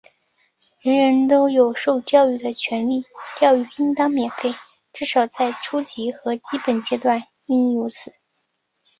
人人都有受教育的权利,教育应当免费,至少在初级和基本阶段应如此。